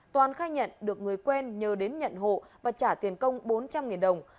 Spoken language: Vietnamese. toàn khai nhận được người quen nhờ đến nhận hộ và trả tiền công bốn trăm linh đồng